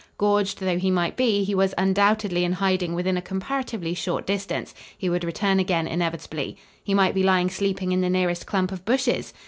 Gorged though he might be, he was undoubtedly in hiding within a comparatively short distance. He would return again inevitably. He might be lying sleeping in the nearest clump of bushes!